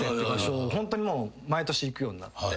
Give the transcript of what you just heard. ホントにもう毎年行くようになって。